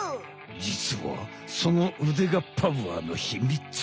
じつはそのうでがパワーのひみつ！